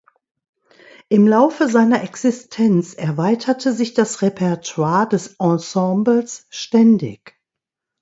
Im Laufe seiner Existenz erweiterte sich das Repertoire des Ensembles ständig.